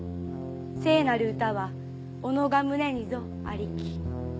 聖なる歌は己が胸にぞありき」。